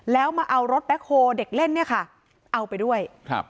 แล้วมาเอารถแบ็คโฮเด็กเล่นเนี่ยค่ะเอาไปด้วยครับ